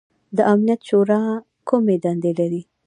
د امنیت شورا کومې دندې لري؟